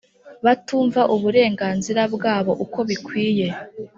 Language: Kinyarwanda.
Batumva uburenganzira bwabo uko bikwiye